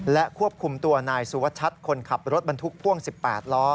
และควบคุมตัวนายสุวชัดคนขับรถบรรทุกพ่วง๑๘ล้อ